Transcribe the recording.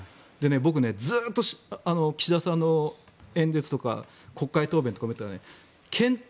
僕、ずっと岸田さんの演説とか国会答弁とか見ていたら検討